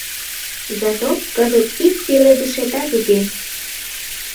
— Зато кызыт ик пеледышетат уке.